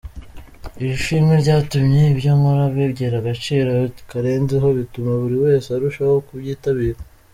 Iri shimwe ryatumye ibyo nkora bigira agaciro karenzeho bituma buri wese arushaho kubyitabira.